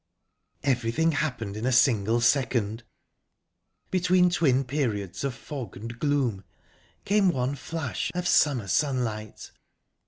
Everything happened in a single second. Between twin periods of fog and gloom, came one flash of summer sunlight.